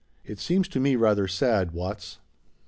It seems to me rather sad, Watts."